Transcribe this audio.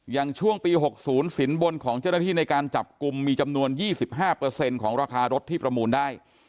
อย่างช่วงปี๖๐สินบนของเจ้าหน้าที่ในการจับกลุ่มมีจำนวน๒๕ของราคารถที่ประมูลได้